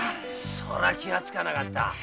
それは気がつかなかった。